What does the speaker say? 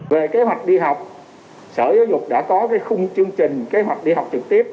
về kế hoạch đi học sở giáo dục đã có cái khung chương trình kế hoạch đi học trực tiếp